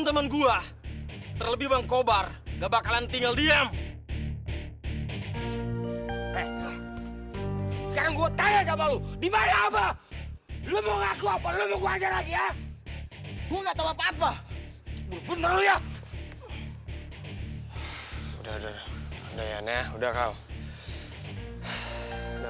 teman teman gak usah gak usah